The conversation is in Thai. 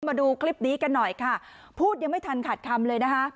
มาดูคลิปนี้กันหน่อยค่ะพูดยังไม่ทันขาดคำเลยนะคะ